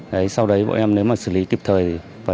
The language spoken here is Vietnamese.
lúc đấy bọn em nếu mà xử lý kịp thời